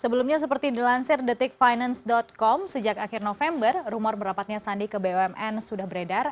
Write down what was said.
sebelumnya seperti dilansir detikfinance com sejak akhir november rumor merapatnya sandi ke bumn sudah beredar